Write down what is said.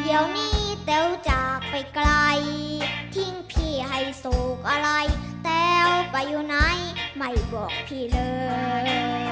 เดี๋ยวนี้แต้วจากไปไกลทิ้งพี่ให้โศกอะไรแต้วไปอยู่ไหนไม่บอกพี่เลย